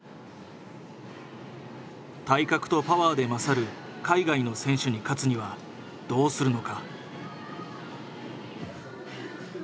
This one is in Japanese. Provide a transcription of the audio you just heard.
体格とパワーで勝る海外の選手に勝つにはどうするのか。